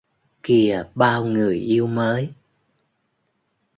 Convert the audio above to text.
- Kìa bao người yêu mới